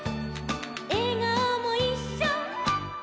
「えがおもいっしょ」